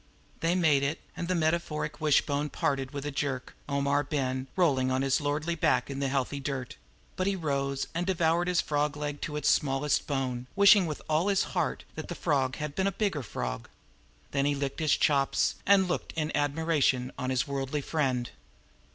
They made it, and the metaphoric wish bone parted with a jerk, Omar Ben rolling upon his lordly back in the healthy dirt; but he rose and devoured his frog leg to its smallest bone, wishing with all his heart that the frog had been a bigger frog. Then he licked his chops and looked in admiration on his worldly friend.